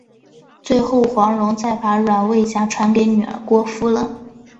最后黄蓉再把软猬甲传给女儿郭芙了。